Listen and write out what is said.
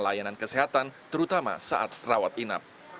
layanan kesehatan terutama saat rawat inap